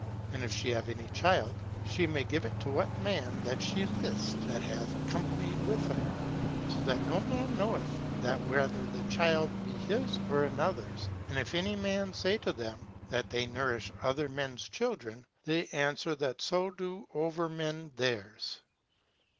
And if she have any child, she may give it to what man that she list, that hath companied with her, so that no man knoweth there whether the child be his or another’s. And if any man say to them, that they nourish other men’s children, they answer that so do over men theirs.